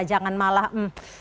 jangan malah hmm